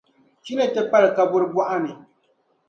Chi ni ti pali kaburi bɔɣa ni;